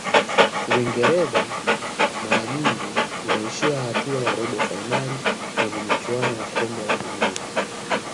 uingereza mara nyingi inaishia hatua ya robo fainali kwenye michuano ya kombe la dunia